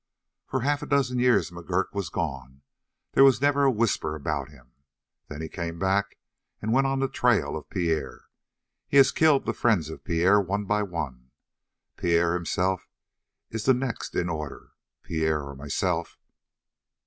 "For half a dozen years McGurk was gone; there was never a whisper about him. Then he came back and went on the trail of Pierre. He has killed the friends of Pierre one by one; Pierre himself is the next in order Pierre or myself.